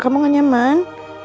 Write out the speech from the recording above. kamu gak nyaman